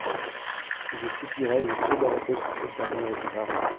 Je soupirai, je courbai la tête sous cette dernière épigramme.